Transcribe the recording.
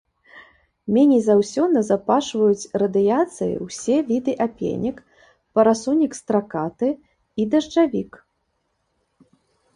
Меней за ўсё назапашваюць радыяцыі ўсе віды апенек, парасонік стракаты і дажджавік.